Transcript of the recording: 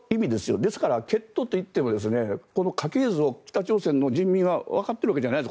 ですから、血統といっても家系図を北朝鮮の人民はわかっているわけじゃないです。